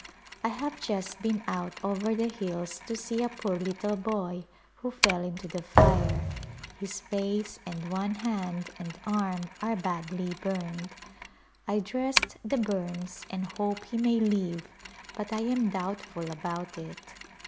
I have just been out over the hills to see a poor little boy who fell into the fire ; his face and one hand and arm are badly burned. I dressed the burns and hope he may live but I am doubtful about it.